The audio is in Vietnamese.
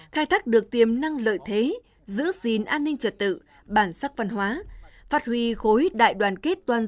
khai thác được tiềm năng lợi thế giữ gìn an ninh trật tự bản sắc văn hóa phát huy khối đại đoàn kết toàn dân